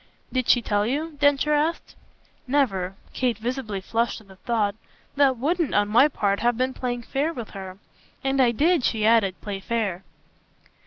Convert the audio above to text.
"Did she tell you?" Densher asked. "Never!" Kate visibly flushed at the thought. "That wouldn't, on my part, have been playing fair with her. And I did," she added, "play fair."